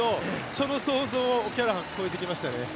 その想像をオキャラハンが超えましたね。